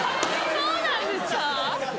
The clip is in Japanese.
そうなんですか？